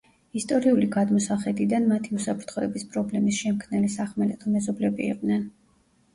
ისტორიული გადმოსახედიდან, მათი უსაფრთხოების პრობლემის შემქმნელი სახმელეთო მეზობლები იყვნენ.